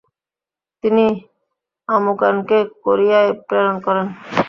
তিনি আমুকানকে কোরিয়ায় প্রেরণ করেন।